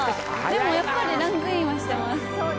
でもやっぱりランクインはしてます。